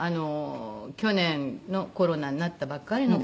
去年のコロナになったばっかりの頃に。